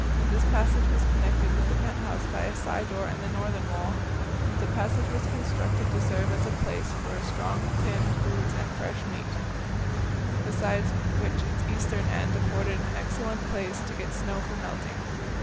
This passage was connected with the pent house by a side door in the northern wall. The passage was constructed to serve as a place for storing tinned foods and fresh meat, besides which its eastern end afforded an excellent place to get snow for melting.